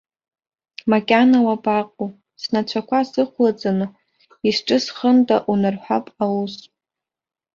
Макьана уабаҟоу, снацәақәа сыхәлаҵаны исҿысхында унарҳәап аус.